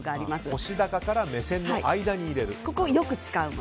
腰高から目線の間に入れる。